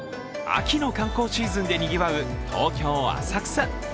秋の観光シーズンでにぎわう東京・浅草。